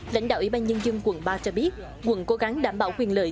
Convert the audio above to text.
lãnh đạo ủy ban nhân dân quận ba cho biết quận cố gắng đảm bảo quyền lợi